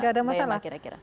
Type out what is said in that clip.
tidak ada masalah